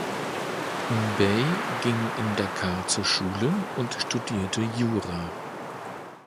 Mbaye ging in Dakar zur Schule und studierte Jura.